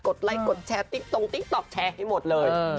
ไลค์กดแชร์ติ๊กตรงติ๊กต๊อกแชร์ให้หมดเลย